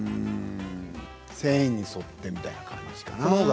繊維に沿ってみたいな感じかな。